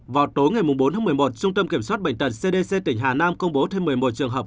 vào tối ngày bốn tháng một mươi một trung tâm kiểm soát bệnh tật cdc tỉnh hà nam công bố thêm một mươi một trường hợp